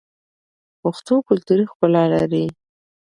پښتو کلتوري ښکلا لري.